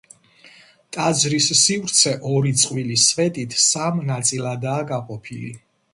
ტაძრის სივრცე ორი წყვილი სვეტით სამ ნაწილადაა გაყოფილი.